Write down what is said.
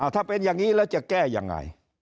ถ้าเป็นอย่างนี้